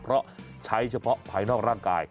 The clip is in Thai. เพราะใช้เฉพาะภายนอกร่างกาย